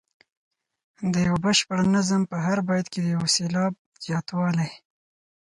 د یو بشپړ نظم په هر بیت کې د یو سېلاب زیاتوالی.